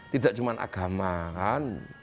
tidak cuma agama kan